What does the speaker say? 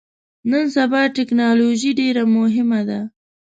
نن سبا ټکنالوژي ډیره مهمه ده